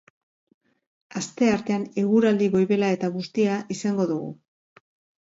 Asteartean eguraldi goibela eta bustia izango dugu.